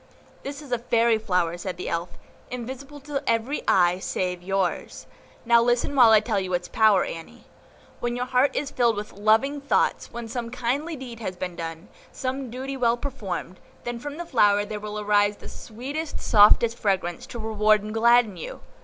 "This is a fairy flower," said the Elf, "invisible to every eye save yours; now listen while I tell its power, Annie. When your heart is filled with loving thoughts, when some kindly deed has been done, some duty well performed, then from the flower there will arise the sweetest, softest fragrance, to reward and gladden you.